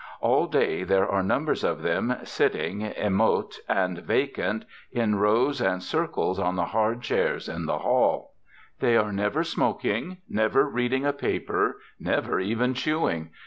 All day there are numbers of them sitting, immote and vacant, in rows and circles on the hard chairs in the hall. They are never smoking, never reading a paper, never even chewing.